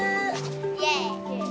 イエイ。